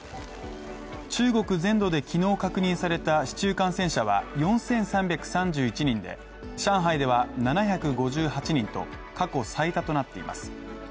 中国全土で昨日確認された市中感染者は４３３１人で上海では７５８人と過去最多となっています。